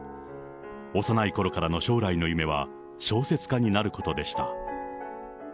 幼いころからの将来の夢は小説家になることでした。